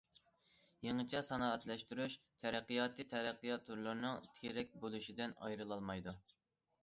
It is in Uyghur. يېڭىچە سانائەتلەشتۈرۈش تەرەققىياتى تەرەققىيات تۈرلىرىنىڭ تىرەك بولۇشىدىن ئايرىلالمايدۇ.